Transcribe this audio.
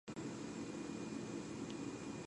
The film is also supported by dozens of volunteers.